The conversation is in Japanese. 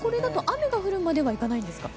雨が降るまではいかないんですか？